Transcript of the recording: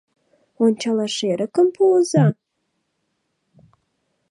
— Ончалаш эрыкым пуыза?